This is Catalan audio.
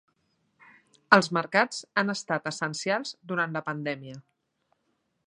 Els mercats han estat essencials durant la pandèmia.